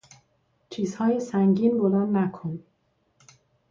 چیزهای سنگین بلند نکن!